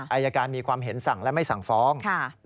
อายการมีความเห็นสั่งและไม่สั่งฟ้อง